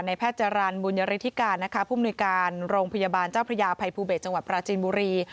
แพทย์จรรย์บุญยฤทธิการนะคะผู้มนุยการโรงพยาบาลเจ้าพระยาภัยภูเบศจังหวัดปราจีนบุรี